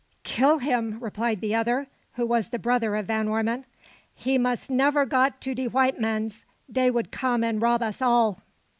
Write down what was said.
"Kill him!" replied the other, who was the brother of Van Ormon. "He mus never got to de white mens. Dey would come and rob us all."